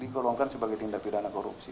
digolongkan sebagai tindak pidana korupsi